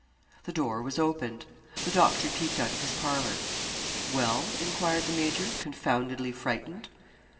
The door was opened. The doctor peeped out of his parlour. 'Well?' enquired the major, confoundedly frightened.